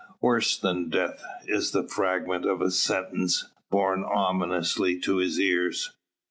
"Worse than death" is the fragment of a sentence borne ominously to his ears.